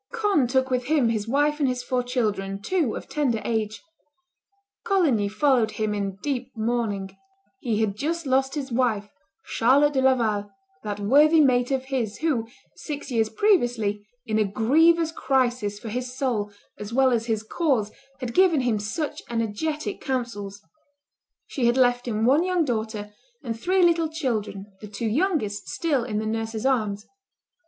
Conde took with him his wife and his four children, two of tender age. Coligny followed him in deep mourning; he had just lost his wife, Charlotte de Laval, that worthy mate of his, who, six years previously, in a grievous crisis for his soul as well as his cause, had given him such energetic counsels: she had left him one young daughter and three little children, the two youngest still in the nurse's arms.